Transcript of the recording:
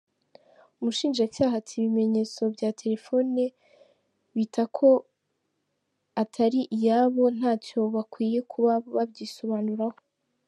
Umushinjacyaha ati “ibimenyetso bya telefoni bita ko atari iyabo ntacyo bakwiye kuba babyisobanuraho.